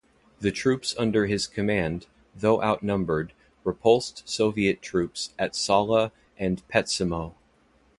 The troops under his command, though outnumbered, repulsed Soviet troops at Salla and Petsamo.